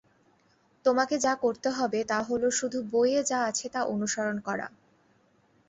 তোমাকে যা করতে হবে তা হলো শুধু বইয়ে যা আছে তা অনুসরন করা।